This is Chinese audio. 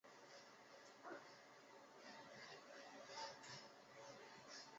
梅尔基施卢赫是德国勃兰登堡州的一个市镇。